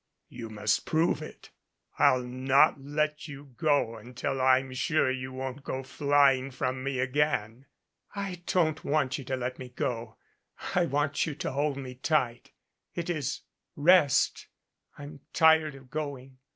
"You must prove it. I'll not let you go until I'm sure you won't go flying from me again." "I don't want you to let me go. I want you to hold me tight. It is rest. I'm tired of going.